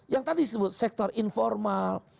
yang tadi disebut sektor informal